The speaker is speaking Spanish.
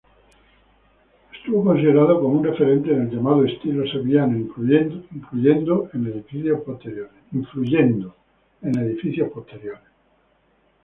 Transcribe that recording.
Fue considerado como un referente en el llamado "estilo sevillano", influyendo en edificios posteriores.